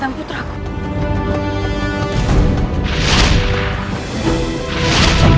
sampai ketemu di rumahmu